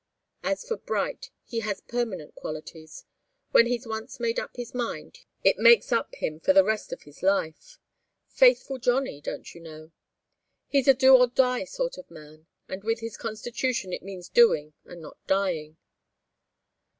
As for Bright, he has permanent qualities. When he's once made up his mind, it makes up him for the rest of his life. Faithful Johnnie, don't you know? He's a do or die sort of man and with his constitution it means doing and not dying.